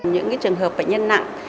những trường hợp bệnh nhân nặng